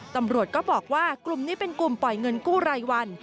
ตำรวจก็บอกว่ากลุ่มนี้เป็นกลุ่มปล่อยเงินกู้รายวัน